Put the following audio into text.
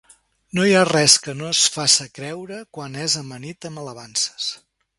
No hi ha res que no es faça creure quan es amanit amb alabances.